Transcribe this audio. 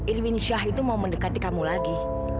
irwin syah itu mau mendekati kamu lagi